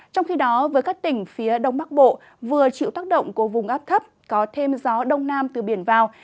trong khi đó với các tỉnh phía đông bắc bộ vừa chịu tác động của vùng áp thấp có thêm gió đông nam từ biển vào